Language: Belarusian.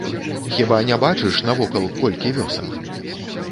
Хіба не бачыш, навокал колькі вёсак?